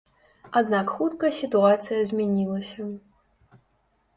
Аднак хутка сітуацыя змянілася.